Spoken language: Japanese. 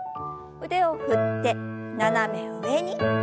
腕を振って斜め上に。